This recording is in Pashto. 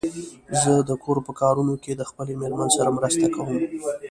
زه د کور په کارونو کې خپل د مېرمن سره مرسته کوم.